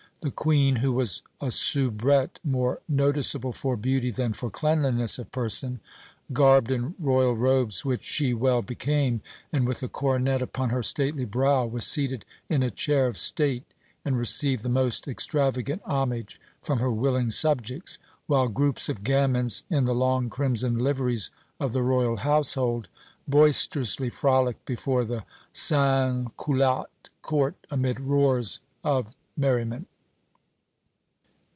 The queen, who was a soubrette more noticeable for beauty than for cleanliness of person, garbed in Royal robes which she well became, and with a coronet upon her stately brow, was seated in a chair of state and received the most extravagant homage from her willing subjects, while groups of gamins, in the long crimson liveries of the Royal household, boisterously frolicked before the sans culotte court amid roars of merriment.